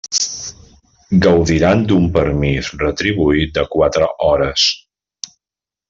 Gaudiran d'un permís retribuït de quatre hores.